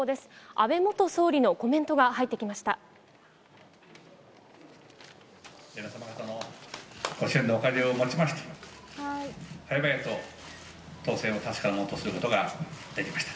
安倍元総理のコメントが入ってきました。